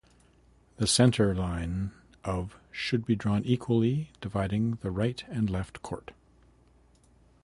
The centre line of should be drawn equally dividing the right and left court.